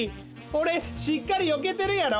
おれしっかりよけてるやろ？